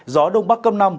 gió đông bắc cấp năm